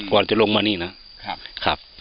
ก่อนจะลงมานี่นะครับ